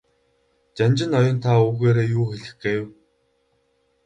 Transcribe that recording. Жанжин ноён та үүгээрээ юу хэлэх гээв?